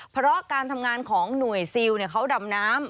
เพราะการทำงานของหน่วยซิลเขาดำน้ำ